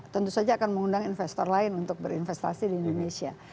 tentu saja akan mengundang investor lain untuk berinvestasi di indonesia